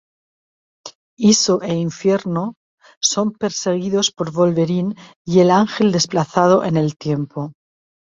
Iso e Inferno son perseguidos por Wolverine y el Ángel desplazado en el tiempo.